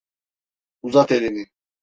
Uzat elini.